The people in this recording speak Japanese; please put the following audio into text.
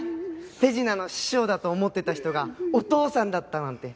手品の師匠だと思ってた人がお父さんだったなんて。